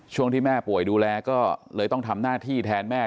ช่วงที่แม่ป่วยดูแลก็เลยต้องทำหน้าที่แทนแม่